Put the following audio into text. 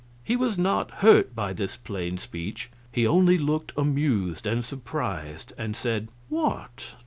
He was not hurt by this plain speech; he only looked amused and surprised, and said: "What?